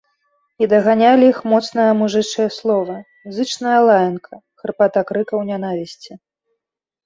І даганялі іх моцныя мужычыя словы, зычная лаянка, хрыпата крыкаў нянавісці.